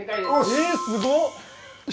ええっすごっ！